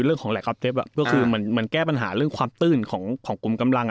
เรื่องของอ่าก็คือเหมือนมันแก้ปัญหาเรื่องความตื้นของของกลุ่มกำลัง